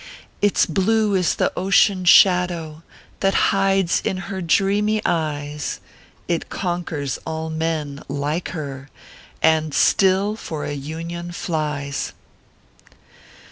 Its blue is the ocean shadow That hides in her dreamy eyes, It conquers all men, like her, And still for a Union flies.